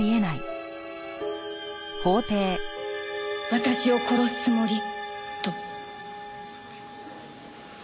私を殺すつもり！？と。